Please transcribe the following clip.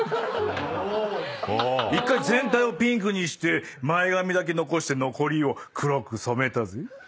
１回全体をピンクにして前髪だけ残して残りを黒く染めたぜ。